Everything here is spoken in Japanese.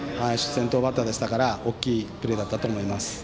先頭バッターでしたから大きいプレーだったと思います。